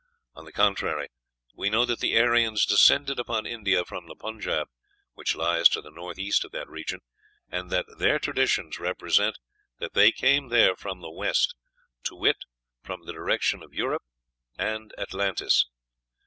On the contrary, we know that the Aryans descended upon India from the Punjab, which lies to the north west of that region; and that their traditions represent that they came there from the west, to wit, from the direction of Europe and Atlantis.